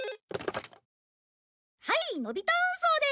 はいのび太運送です。